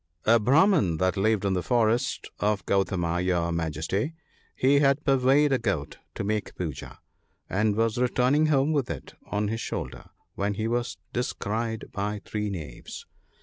BRAHMAN that lived in the forest of Gau tama, your Majesty. He had purveyed a goat to make pooja( 108 ), and was returning home with it on his shoulder when he was descried by three knaves.